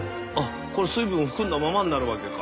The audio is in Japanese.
これ水分を含んだままになるわけか。